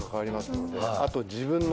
あと自分の。